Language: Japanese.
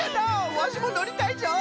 ワシものりたいぞ！